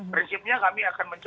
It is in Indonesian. prinsipnya kami akan mencoba